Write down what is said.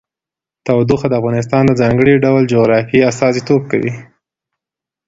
تودوخه د افغانستان د ځانګړي ډول جغرافیه استازیتوب کوي.